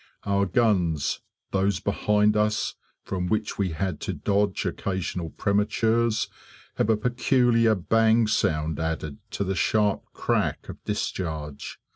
Our guns those behind us, from which we had to dodge occasional prematures have a peculiar bang sound added to the sharp crack of discharge.